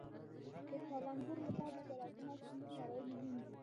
د کروندګرو لپاره د زراعتي ماشینونو کارول مهم دي.